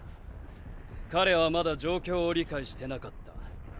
彼はまだ状況を理解してなかった。